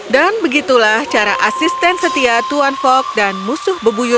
dan begitulah cara asisten setia tuan fong dan musuhnya